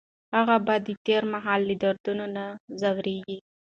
هغه به د تېر مهال له دردونو نه ځوریږي.